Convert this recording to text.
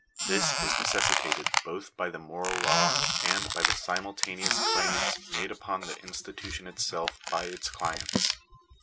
This is neces sitated both by the moral law and by the simultaneous claims made upon the institution itself by its clients.